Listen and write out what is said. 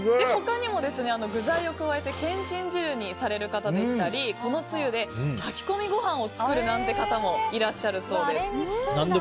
他にも具材を加えてけんちん汁にされる方でしたりこのつゆで炊き込みご飯を作るなんていう方もいらっしゃるそうです。